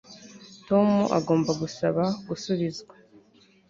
Tom agomba gusaba gusubizwa